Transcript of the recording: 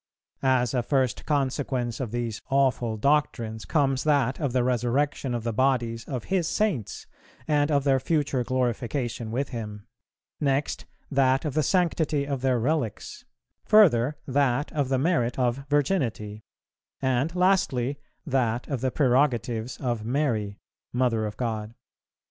As a first consequence of these awful doctrines comes that of the resurrection of the bodies of His Saints, and of their future glorification with Him; next, that of the sanctity of their relics; further, that of the merit of Virginity; and, lastly, that of the prerogatives of Mary, Mother of God.